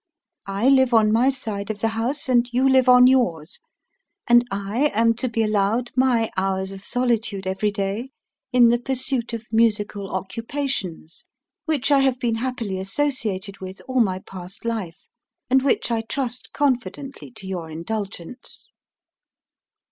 I live on my side of the house, and you live on yours; and I am to be allowed my hours of solitude every day in the pursuit of musical occupations, which have been happily associated with all my past life, and which I trust confidently to your indulgence.